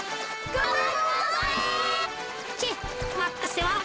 はい。